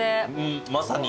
まさに？